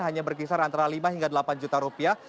hanya berkisar antara lima hingga delapan juta rupiah